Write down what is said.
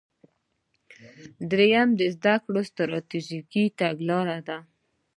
دریم د زده کړې ستراتیژي یا تګلاره ده.